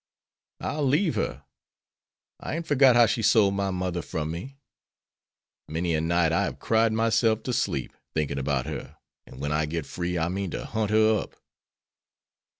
"I'll leave her. I ain't forgot how she sold my mother from me. Many a night I have cried myself to sleep, thinking about her, and when I get free I mean to hunt her up."